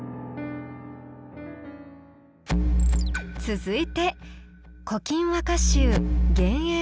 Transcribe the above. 続いて「古今和歌集」。